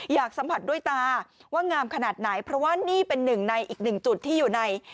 อยากสัมผัสด้วยตาว่างามขนาดไหนเพราะว่านี่เป็นหนึ่งในอีกหนึ่งจุดที่อยู่ใน